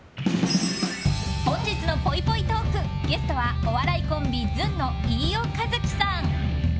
本日のぽいぽいトークゲストはお笑いコンビずんの飯尾和樹さん。